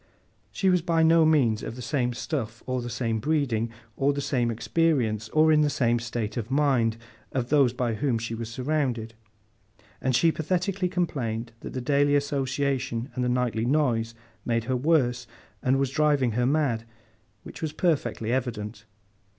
She was by no means of the same stuff, or the same breeding, or the same experience, or in the same state of mind, as those by whom she was surrounded; and she pathetically complained that the daily association and the nightly noise made her worse, and was driving her mad—which was perfectly evident.